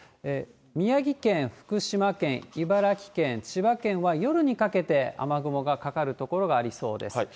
宮城県、福島県、茨城県、千葉県は、夜にかけて雨雲がかかる所がありそうです。